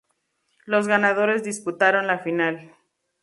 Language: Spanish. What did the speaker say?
Los ganadores disputaron la final.